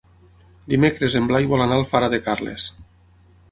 Dimecres en Blai vol anar a Alfara de Carles.